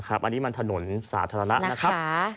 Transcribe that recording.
อันนี้มันถนนสาธารณะ